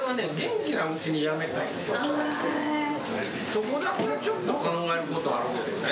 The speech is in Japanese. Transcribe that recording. そこだけはちょっと考えることあるけどね。